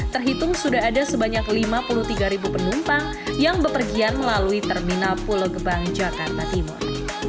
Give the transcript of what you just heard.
terhitung sudah ada sebanyak lima puluh tiga penumpang yang bepergian melalui terminal pulau gebang jakarta timur